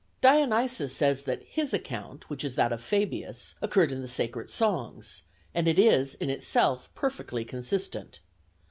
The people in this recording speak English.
Dionysius says that his account, which is that of Fabius, occurred in the sacred songs, and it is in itself perfectly consistent.